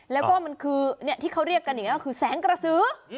แล้วก็มันคือที่เขาเรียกกันอย่างนี้ก็คือแสงกระสือ